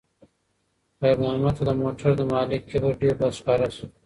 خیر محمد ته د موټر د مالک کبر ډېر بد ښکاره شو.